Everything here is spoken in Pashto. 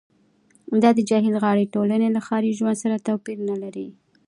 دا د جهیل غاړې ټولنې له ښاري ژوند سره توپیر نلري